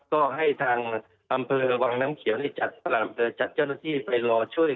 ก็ให้ทางอำเภอวังน้ำเขียวจัดเจ้าหน้าที่ไปรอช่วย